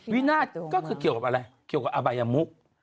วินาศก็คือเกี่ยวกับอะไรเกี่ยวกับอบายมุก